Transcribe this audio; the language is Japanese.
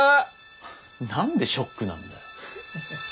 何でショックなんだよ。